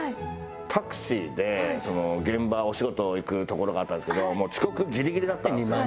タクシーで現場お仕事行く所があったんですけどもう遅刻ギリギリだったんですよ。